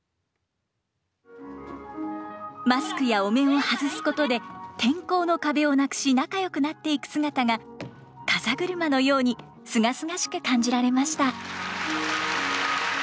マスクやお面を外すことで転校の壁をなくし仲よくなっていく姿が風車のようにすがすがしく感じられました。